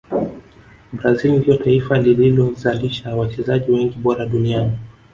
brazil ndio taifa lililozalisha wachezaji wengi bora duniani